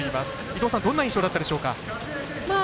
伊藤さんどんな印象だったでしょうか？